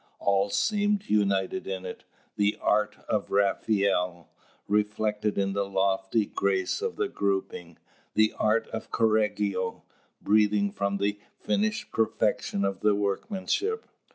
All seemed united in it: the art of Raphael, reflected in the lofty grace of the grouping; the art of Correggio, breathing from the finished perfection of the workmanship.